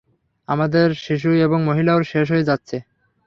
আমাদের শিশু এবং মহিলারাও শেষ হয়ে যাবে।